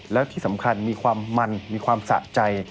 แล้วที่สำคัญมีความมันมีความสะใจ